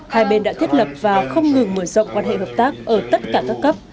hai bên đã thiết lập và không ngừng mở rộng quan hệ hợp tác ở tất cả các cấp